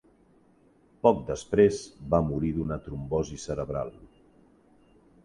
Poc després va morir d'una trombosi cerebral.